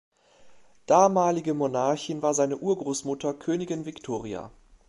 Damalige Monarchin war seine Urgroßmutter Königin Victoria.